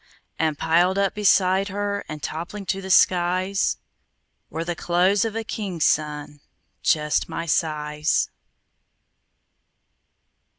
And piled up beside her And toppling to the skies, Were the clothes of a king's son, Just my size.